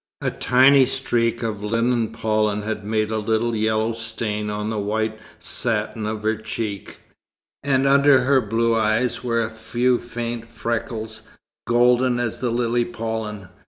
A tiny streak of lily pollen had made a little yellow stain on the white satin of her cheek, and under her blue eyes were a few faint freckles, golden as the lily pollen.